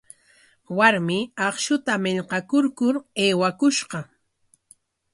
Warmi akshuta millqakurkur aywakushqa.